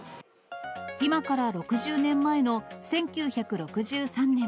今から６０年前の１９６３年。